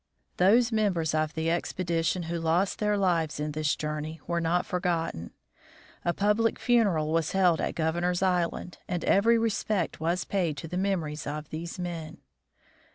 Those members of the expedition who lost their lives in this journey were not forgotten. A public funeral was held at Governor's island, and every respect was paid to the memories of these men.